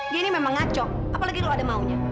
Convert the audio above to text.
dia ini memang ngacok apalagi lu ada maunya